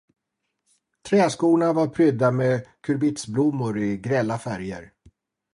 Träskorna var prydda med kurbitsblommor i grälla färger.